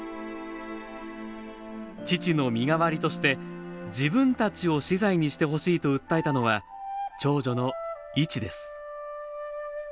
父の身代わりとして、自分たちを死罪にしてほしいと訴えたのは、長女のいちです。